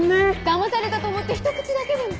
だまされたと思ってひと口だけでも。